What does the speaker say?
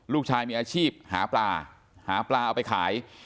ลูกชายมีอาชีพหาปลาหาปลาเอาไปขาย